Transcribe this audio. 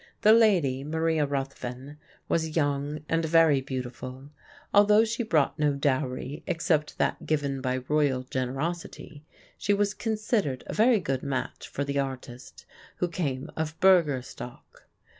The lady, Maria Ruthven, was young and very beautiful. Although she brought no dowry except that given by royal generosity, she was considered a very good match for the artist, who came of burgher stock.